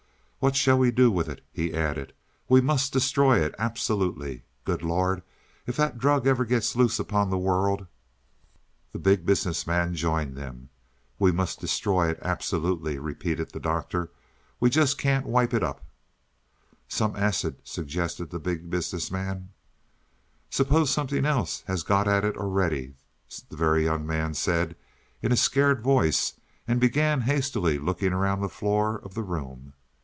What shall we do with it?" he added. "We must destroy it absolutely. Good Lord, if that drug ever gets loose upon the world " The Big Business Man joined them. "We must destroy it absolutely," repeated the Doctor. "We can't just wipe it up." "Some acid," suggested the Big Business Man. "Suppose something else has got at it already," the Very Young Man said in a scared voice, and began hastily looking around the floor of the room.